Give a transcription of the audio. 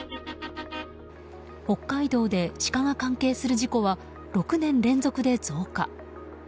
北海道でシカが関係する事故は６年連続で増加。